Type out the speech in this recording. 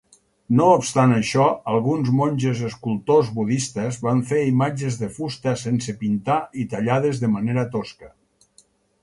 No obstant això, alguns monges escultors budistes van fer imatges de fusta sense pintar i tallades de manera tosca.